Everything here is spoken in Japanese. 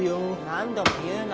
何度も言うな！